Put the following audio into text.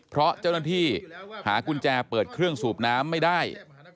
เพราะเจ้าหน้าที่หากุญแจเปิดเครื่องสูบน้ำไม่ได้